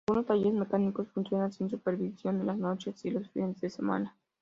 Algunos talleres mecánicos funcionan sin supervisión en las noches y los fines de semana..